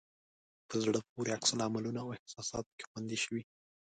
په زړه پورې عکس العملونه او احساسات پکې خوندي شوي.